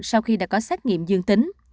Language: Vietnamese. sau khi đã có xét nghiệm dương tính